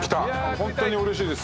ホントにうれしいです。